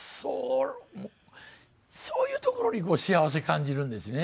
そういうところにこう幸せ感じるんですね。